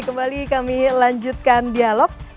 kembali kami lanjutkan dialog